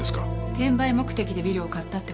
転売目的でビルを買ったって事ね。